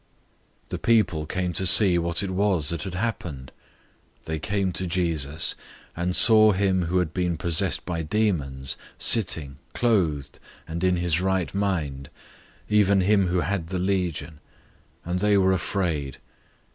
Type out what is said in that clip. The people came to see what it was that had happened. 005:015 They came to Jesus, and saw him who had been possessed by demons sitting, clothed, and in his right mind, even him who had the legion; and they were afraid.